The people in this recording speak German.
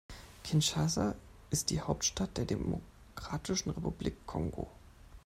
Kinshasa ist die Hauptstadt der Demokratischen Republik Kongo.